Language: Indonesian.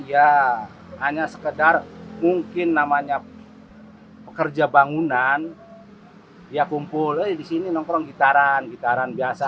ya hanya sekedar mungkin namanya pekerja bangunan ya kumpul aja di sini nongkrong gitaran gitaran biasa